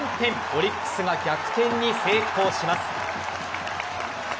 オリックスが逆転に成功します。